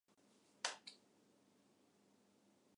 撤去されている。生垣と壁の間はもとの退屈な場所に戻っていた。